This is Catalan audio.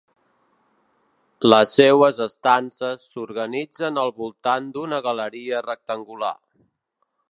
Les seues estances s'organitzen al voltant d'una galeria rectangular.